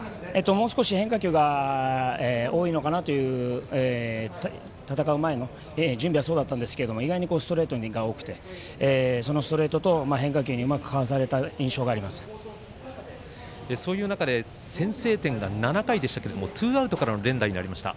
もう少し変化球が多いのかなという戦う前の準備はそうだったんですけど意外にストレートが多くてそのストレートと変化球にそういう中で先制点が７回、ツーアウトからの連打になりました。